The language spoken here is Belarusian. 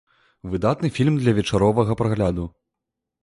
Выдатны фільм для вечаровага прагляду.